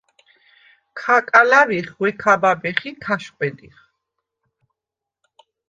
ქ’აკალა̈ვიხ, ღვე ქ’აბაბეხ ი ქ’ა̈შყვედიხ.